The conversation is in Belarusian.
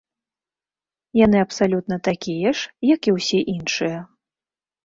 Яны абсалютна такія ж, як і ўсе іншыя.